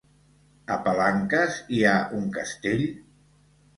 A Palanques hi ha un castell?